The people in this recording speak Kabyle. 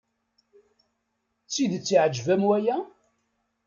D tidet iɛjeb-am waya?